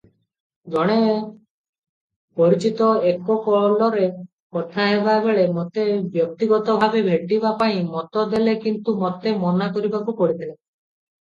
ଜଣେ ପରିଚିତ ଏକ କଲରେ କଥା ହେବା ବେଳେ ମୋତେ ବ୍ୟକ୍ତିଗତ ଭାବେ ଭେଟିବା ପାଇଁ ମତ ଦେଲେ କିନ୍ତୁ ମୋତେ ମନା କରିବାକୁ ପଡ଼ିଥିଲା ।